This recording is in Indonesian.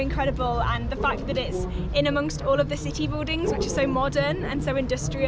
kedudukan ini sangat luar biasa dan kebetulan di antara semua bangunan kota yang sangat modern dan industri